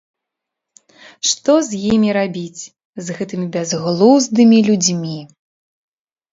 Што з імі рабіць, з гэтымі бязглуздымі людзьмі?